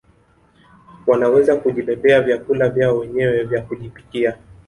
Wanaweza kujibebea vyakula vyao wenyewe vya kujipikia